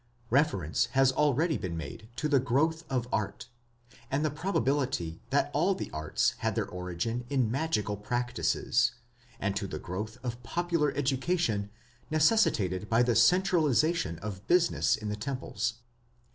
Reference has already been made to the growth of art, and the probability that all the arts had their origin in magical practices, and to the growth of popular education necessitated by the centralization of business in the temples.